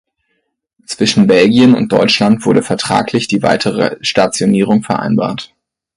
Zwischen Belgien und Deutschland wurde vertraglich die weitere Stationierung vereinbart.